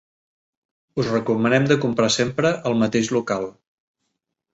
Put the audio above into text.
Us recomanem de comprar sempre el mateix local.